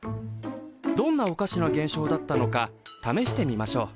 どんなおかしな現象だったのかためしてみましょう。